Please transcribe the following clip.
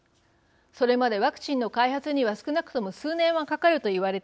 それまでワクチンの開発には少なくとも数年はかかると言われていました。